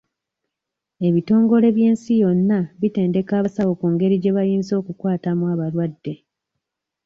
Ebitongole by'ensi yonna bitendeka abasawo ku ngeri gye bayinza okukwatamu abalwadde.